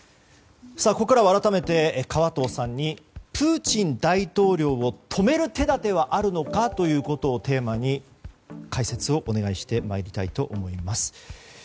ここからは改めて河東さんに、プーチン大統領を止める手立てはあるのかということをテーマに解説をお願いしてまいりたいと思います。